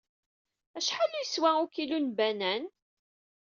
Acḥal i yeswa ukilu n lbanan?